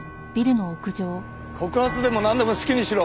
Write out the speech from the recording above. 告発でもなんでも好きにしろ。